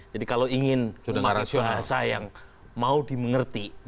jadi kalau ingin memakai bahasa yang mau dimengerti